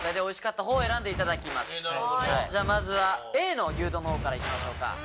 まずはＡの牛丼の方からいきましょうか。